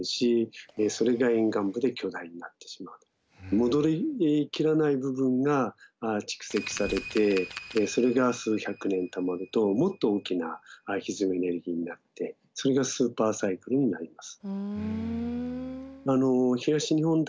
戻りきらない部分が蓄積されてそれが数百年たまるともっと大きなひずみエネルギーになってそれがスーパーサイクルになります。